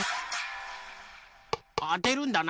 あてるんだな。